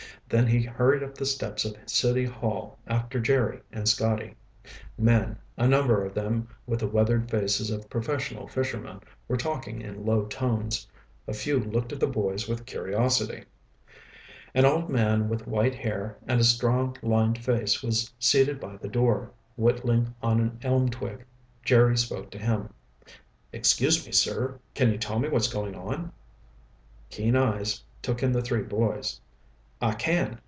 Then he hurried up the steps of City Hall after Jerry and Scotty. Men, a number of them with the weathered faces of professional fishermen, were talking in low tones. A few looked at the boys with curiosity. An old man with white hair and a strong, lined face was seated by the door, whittling on an elm twig. Jerry spoke to him. "Excuse me, sir. Can you tell me what's going on?" Keen eyes took in the three boys. "I can.